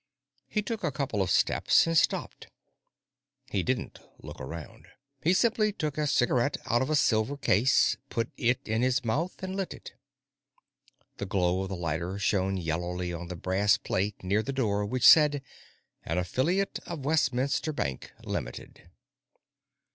He took a couple of steps and stopped. He didn't look around; he simply took a cigarette out of a silver case, put it in his mouth, and lit it. The glow of the lighter shone yellowly on the brass plate near the door which said: _An Affiliate of Westminster Bank, Ltd.